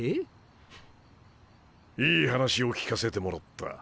フッいい話を聞かせてもらった。